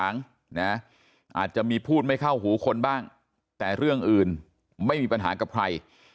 อาจจะมีพูดไม่เข้าหูคนบ้างแต่เรื่องอื่นไม่มีปัญหากับใคร